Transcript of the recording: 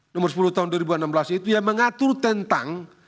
nomor sepuluh tahun dua ribu enam belas itu yang mengatur tentang